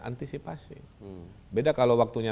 antisipasi beda kalau waktunya